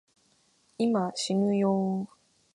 今、しぬよぉ